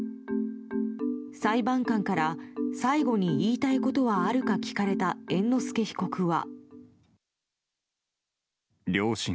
裁判官から最後に言いたいことはあるか聞かれた猿之助被告は。